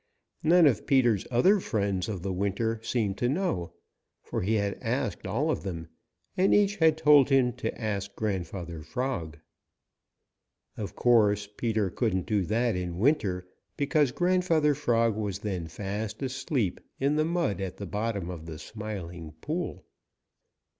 None of Peter's other friends of the winter seemed to know, for he had asked all of them, and each had told him to ask Grandfather Frog. Of course, Peter couldn't do that in winter because Grandfather Frog was then fast asleep in the mud at the bottom of the Smiling Pool.